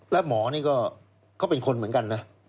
และหมอนี่ก็เขาเป็นคนเหมือนกันนะ